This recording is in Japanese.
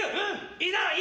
「い」なら「い」！